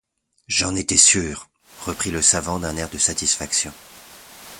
J’en étais sûr! reprit le savant d’un air de satisfaction.